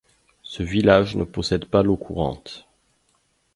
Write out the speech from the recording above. Ce village ne possède pas l'eau courante.